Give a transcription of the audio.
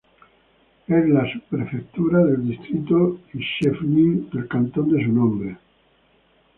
Es la subprefectura del distrito y "chef-lieu" del cantón de su nombre.